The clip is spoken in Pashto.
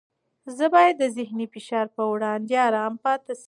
زه باید د ذهني فشار په وړاندې ارام پاتې شم.